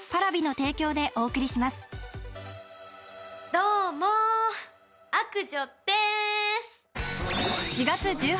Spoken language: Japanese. どうも悪女です